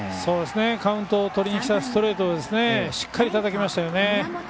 カウントをとりにきたストレートをしっかりたたきましたよね。